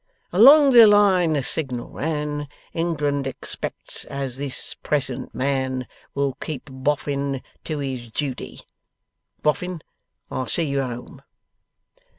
"Along the line the signal ran England expects as this present man Will keep Boffin to his duty." Boffin, I'll see you home.